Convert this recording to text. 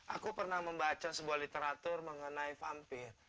aku pernah membaca sebuah literatur mengenai vampir